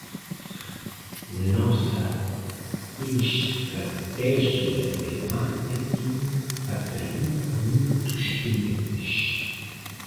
Nossa estratégia de marketing atraiu muitos clientes.